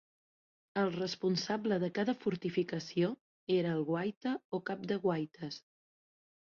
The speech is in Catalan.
El responsable de cada fortificació era el guaita o cap de guaites.